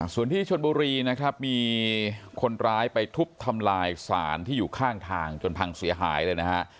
ส่วนที่ชนบุรีนะครับมีคนร้ายไปทุบทำลายสารที่อยู่ข้างทางจนพังเสียหายเลยนะฮะ